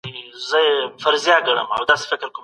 د شکر ناروغانو لپاره منظم حرکت مهم دی.